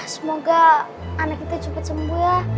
semoga anak kita cepat sembuh ya